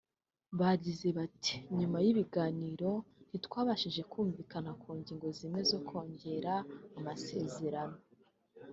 Bagize bati “ Nyuma y’ibiganiro ntitwabashije kumvikana ku ngingo zimwe zo kongera amasezerano